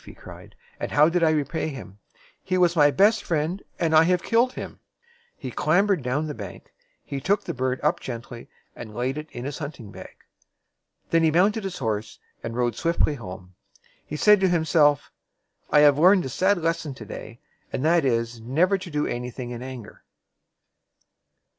he cried; "and how did I repay him? He was my best friend, and I have killed him." He clam bered down the bank. He took the bird up gently, and laid it in his hunting bag. Then he mounted his horse and rode swiftly home. He said to himself, "I have learned a sad lesson to day; and that is, never to do any thing in anger."